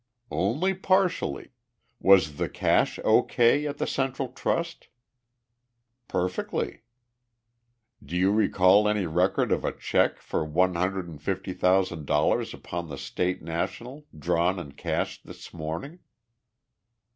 "Only partially. Was the cash O. K. at the Central Trust?" "Perfectly." "Do you recall any record of a check for one hundred and fifty thousand dollars upon the State National drawn and cashed this morning?"